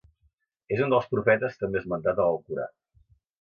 És un dels profetes també esmentat a l'Alcorà.